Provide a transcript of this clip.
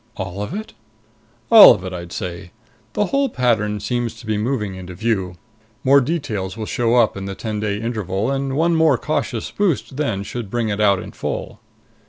"All of it?" "All of it, I'd say. The whole pattern seems to be moving into view. More details will show up in the ten day interval; and one more cautious boost then should bring it out in full."